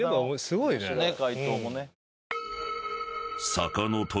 すごいね。